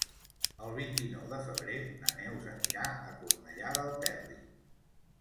El vint-i-nou de febrer na Neus anirà a Cornellà del Terri.